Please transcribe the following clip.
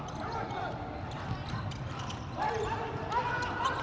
สวัสดีครับทุกคน